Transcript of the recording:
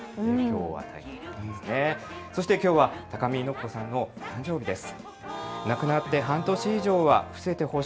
そしてきょうは高見のっぽさんの誕生日です。